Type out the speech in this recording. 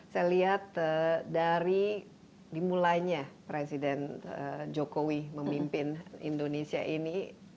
saya lihat dari dimulainya presiden jokowi memimpin indonesia ini